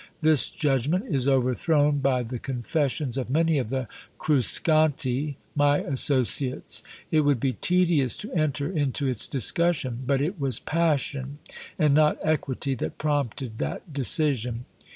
This judgment is overthrown by the confessions of many of the Cruscanti, my associates. It would be tedious to enter into its discussion; but it was passion and not equity that prompted that decision.